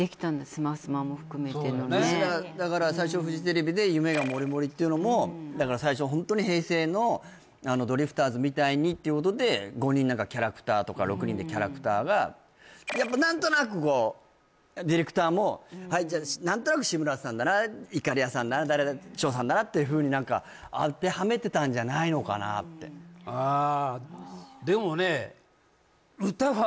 「スマスマ」も含めてのねそうだねだから最初フジテレビで「夢がＭＯＲＩＭＯＲＩ」っていうのもだから最初ホントに平成のドリフターズみたいにっていうことで５人何かキャラクターとか６人でキャラクターがやっぱ何となくこうディレクターもはい何となく志村さんだないかりやさんだな長さんだなっていうふうに何か当てはめてたんじゃないのかなってああでもね